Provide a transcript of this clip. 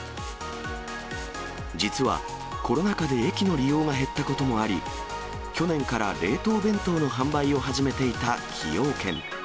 実は、コロナ禍で駅の利用が減ったこともあり、去年から冷凍弁当の販売を始めていた崎陽軒。